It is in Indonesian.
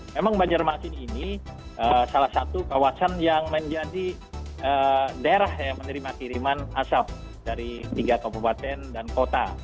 memang banjarmasin ini salah satu kawasan yang menjadi daerah yang menerima kiriman asap dari tiga kabupaten dan kota